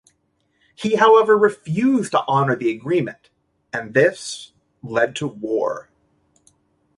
He however refused to honor the agreement and this led to war.